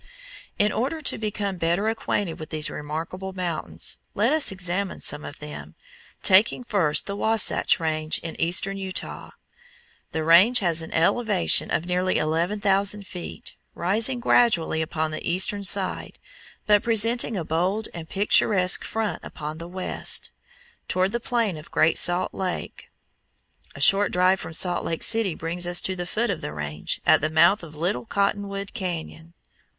In order to become better acquainted with these remarkable mountains, let us examine some of them, taking first the Wasatch Range in eastern Utah. The range has an elevation of nearly eleven thousand feet, rising gradually upon the eastern side, but presenting a bold and picturesque front upon the west, toward the plain of Great Salt Lake. A short drive from Salt Lake City brings us to the foot of the range, at the mouth of Little Cottonwood Cañon.